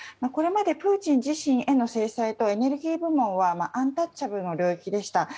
これまでプーチン自身への制裁とエネルギー部門はアンタッチャブルな領域でした。